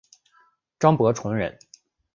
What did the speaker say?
张伯淳人。